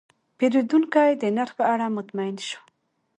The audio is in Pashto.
پیرودونکی د نرخ په اړه مطمین شو.